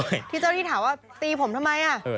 เจ้าที่ถามว่าตีผมทำไมอ่ะ